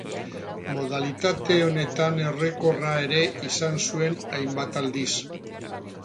Modalitate honetan errekorra ere izan zuen hainbat aldiz.